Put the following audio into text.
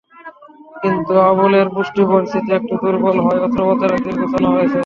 কিন্তু আবুলের পুষ্টি পরিস্থিতি একটু দুর্বল হওয়ায় অস্ত্রোপচারের দিন পেছানো হয়েছে।